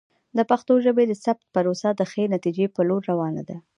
د پښتو ژبې د ثبت پروسه د ښې نتیجې په لور روانه ده.